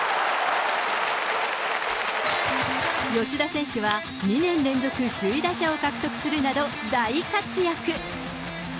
吉田選手は２年連続首位打者を獲得するなど、大活躍。